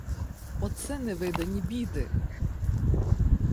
Оце невидані біди!